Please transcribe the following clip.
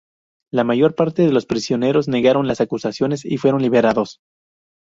La mayor parte de los prisioneros negaron las acusaciones y fueron liberados.